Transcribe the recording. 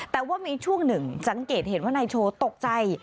แต่ว่ามีช่วงหนึ่งสังเกตเห็นว่านายโชว์ตกใจ